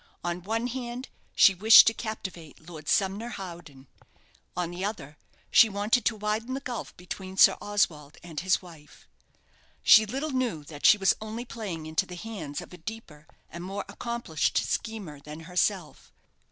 On one hand she wished to captivate Lord Sumner Howden; on the other she wanted to widen the gulf between Sir Oswald and his wife. She little knew that she was only playing into the hands of a deeper and more accomplished schemer than herself.